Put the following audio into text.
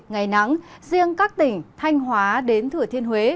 ngày nắng riêng các tỉnh thanh hóa đến thừa thiên huế